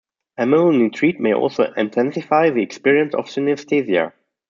Amyl nitrite may also intensify the experience of synesthesia.